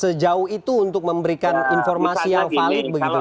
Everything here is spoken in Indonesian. sejauh itu untuk memberikan informasi yang valid begitu